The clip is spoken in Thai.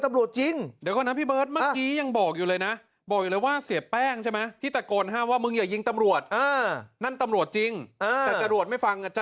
ไม่รู้ว่าเป็นตำรวจจริง